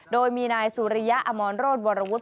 โดยมีนายสุริยะอมรโรธวรวุฒิ